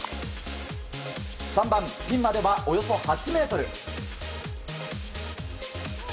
３番、ピンまではおよそ８ｍ。